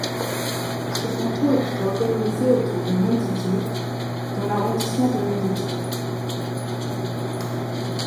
Ce canton était organisé autour de Montdidier dans l'arrondissement de Montdidier.